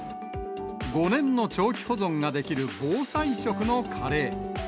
５年の長期保存ができる防災食のカレー。